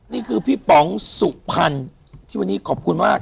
นี่คือพี่ป๋องสุพรรณที่วันนี้ขอบคุณมาก